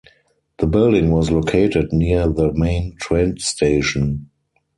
The building was located near the main train station.